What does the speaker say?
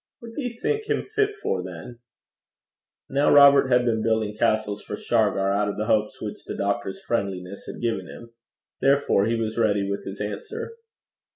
'What do you think him fit for, then?' Now Robert had been building castles for Shargar out of the hopes which the doctor's friendliness had given him. Therefore he was ready with his answer.